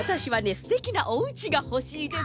すてきなおうちがほしいです。